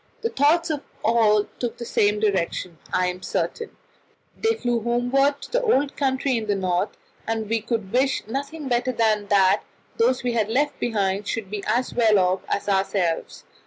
The thoughts of all took the same direction, I am certain they flew homeward to the old country in the North, and we could wish nothing better than that those we had left behind should be as well off as ourselves.